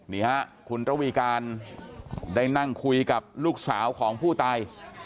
นี่ฮะคุณระวีการได้นั่งคุยกับลูกสาวของผู้ตาย